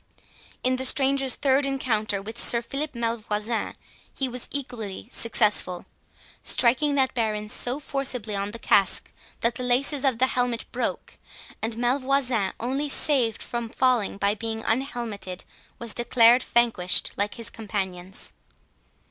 In the stranger's third encounter with Sir Philip Malvoisin, he was equally successful; striking that baron so forcibly on the casque, that the laces of the helmet broke, and Malvoisin, only saved from falling by being unhelmeted, was declared vanquished like his companions.